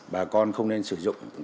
bà con không nên sử dụng